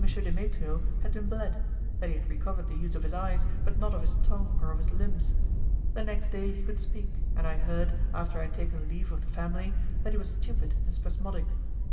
Demetrio had been bled, that he had recovered the use of his eyes, but not of his tongue or of his limbs. The next day he could speak, and I heard, after I had taken leave of the family, that he was stupid and spasmodic.